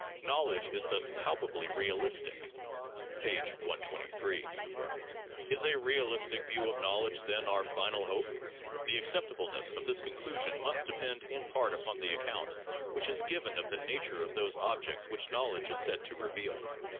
Knowledge is thus palpably realistic' (p. 123). Is a realistic view of knowledge, then, our final hope? The ac ceptableness of this conclusion must depend in part upon the account which is given of the nature of those objects which knowledge is said to reveal.